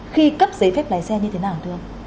khi cấp giấy phép lái xe như thế nào thưa ông